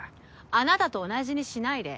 あなたと同じにしないで。